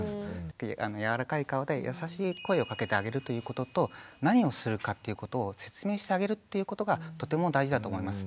柔らかい顔で優しい声をかけてあげるということと何をするかっていうことを説明してあげるということがとても大事だと思います。